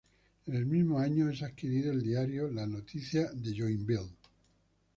En el mismo año, es adquirido el diario La Noticia de Joinville.